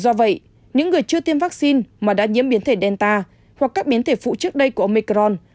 do vậy những người chưa tiêm vaccine mà đã nhiễm biến thể delta hoặc các biến thể phụ trước đây của omicron